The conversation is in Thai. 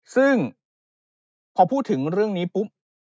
ซึ่งพอพูดถึงเรื่องนี้ปุ๊บ